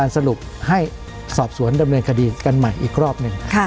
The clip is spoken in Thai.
สอบสวนดำเนินคดีกันใหม่อีกรอบหนึ่ง